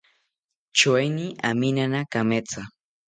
Choeni aminana kametha